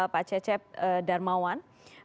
pak cecep darmawan